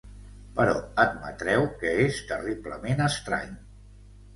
Però admetreu que és terriblement estrany.